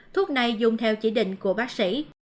thuốc này dùng theo chỉ định của bác sĩ